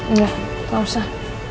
nggak gak usah